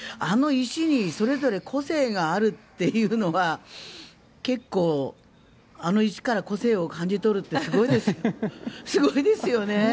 あの石にそれぞれ個性があるというのは結構あの石から個性を感じ取るってすごいですよね。